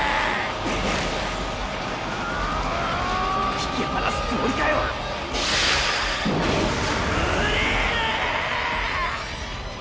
引き離すつもりかよ折れろ！